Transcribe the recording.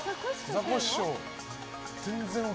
ザコシショウ。